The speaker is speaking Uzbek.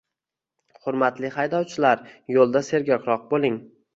Hurmatli haydovchilar, yoʻlda sergakroq boʻling!